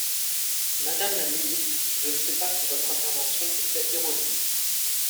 Madame la ministre, je ne sais pas si votre intervention était erronée.